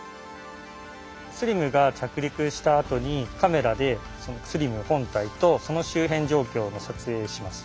ＳＬＩＭが着陸したあとにカメラでＳＬＩＭ本体とその周辺状況を撮影します。